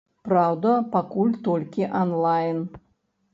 Праўда, пакуль толькі анлайн.